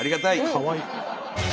かわいい。